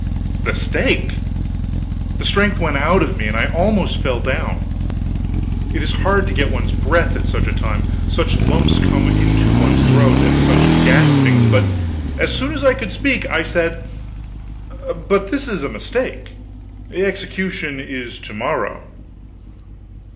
The stake! The strength went out of me, and I almost fell down. It is hard to get one's breath at such a time, such lumps come into one's throat, and such gaspings; but as soon as I could speak, I said: "But this is a mistake the execution is to morrow."